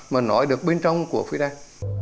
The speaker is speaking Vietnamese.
mà nói được bên trong của fidel